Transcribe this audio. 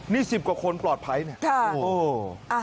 นี่๑๐กว่าคนปลอดภัยเนี่ย